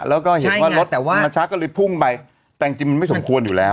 แล้วก็เห็นว่ารถมาช้าก็เลยพุ่งไปแต่จริงมันไม่สมควรอยู่แล้ว